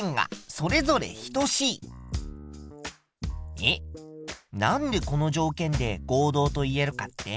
えっなんでこの条件で合同と言えるかって？